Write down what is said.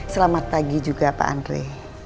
selamat pagi juga pak andre